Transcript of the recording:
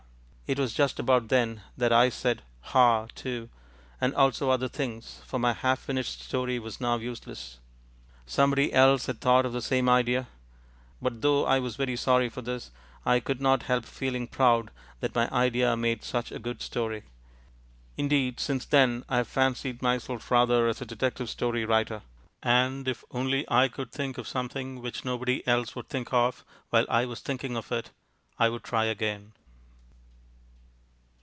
It was just about then that I said "Ha!" too, and also other things, for my half finished story was now useless. Somebody else had thought of the same idea. But though I was very sorry for this, I could not help feeling proud that my idea made such a good story. Indeed, since then I have fancied myself rather as a detective story writer, and if only I could think of something which nobody else would think of while I was thinking of it, I would try again.